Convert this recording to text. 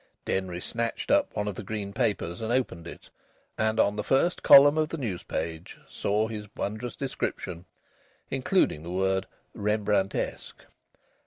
Denry snatched up one of the green papers and opened it, and on the first column of the news page saw his wondrous description, including the word "Rembrandtesque."